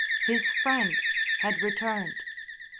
His friend had returned.